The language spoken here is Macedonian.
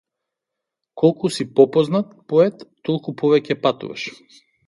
Колку си попознат поет толку повеќе патуваш.